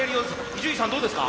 伊集院さんどうですか？